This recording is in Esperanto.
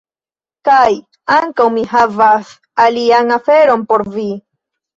Kaj... ankaŭ mi havas alian aferon por vi